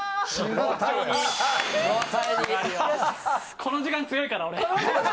この時間、強いから俺。